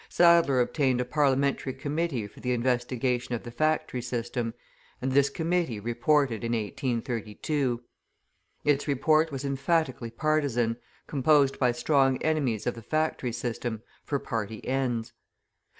Sadler obtained a parliamentary committee for the investigation of the factory system, and this committee reported in 1832. Its report was emphatically partisan, composed by strong enemies of the factory system, for party ends.